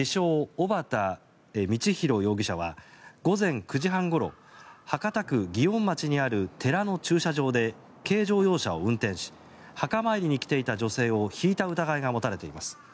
・小畠教弘容疑者は午前９時半ごろ博多区祇園町にある寺の駐車場で軽乗用車を運転し墓参りに来ていた女性をひいた疑いが持たれています。